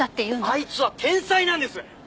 あいつは天才なんです！